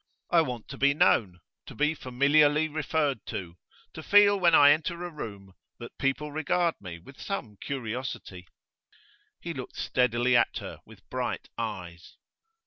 I want to be known, to be familiarly referred to, to feel when I enter a room that people regard me with some curiosity.' He looked steadily at her with bright eyes.